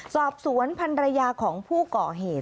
สอบสวนพันธุ์ระยะของผู้เกาะเหตุ